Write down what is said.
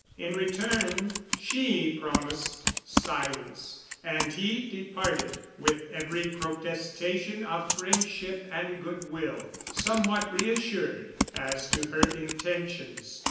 In return she promised silence, and he departed with every protestation of friendship and good will, somewhat reassured as to her intentions.